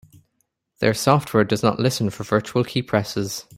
Their software does not listen for virtual keypresses.